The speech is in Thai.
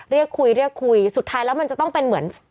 เรียกคุยเรียกคุยสุดท้ายแล้วมันจะต้องเป็นเหมือน